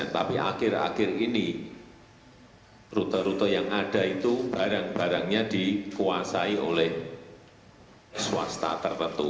tapi akhir akhir ini rute rute yang ada itu barang barangnya dikuasai oleh swasta tertentu